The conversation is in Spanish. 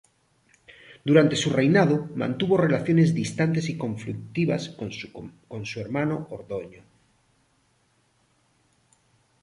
Durante su reinado mantuvo relaciones distantes y conflictivas con su hermano Ordoño.